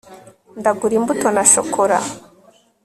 ndagura imbuto na shokora